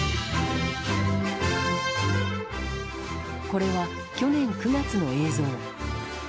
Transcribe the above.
これは去年９月の映像。